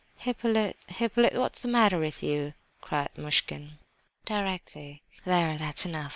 "Hippolyte, Hippolyte, what is the matter with you?" cried Muishkin. "Directly! There, that's enough.